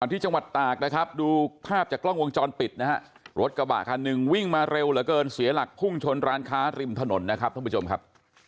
ที่จังหวัดตากนะครับดูภาพจากกล้องวงจรปิดนะฮะรถกระบะคันหนึ่งวิ่งมาเร็วเหลือเกินเสียหลักพุ่งชนร้านค้าริมถนนนะครับท่านผู้ชมครับ